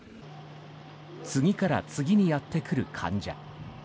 次から次にやってくる患者。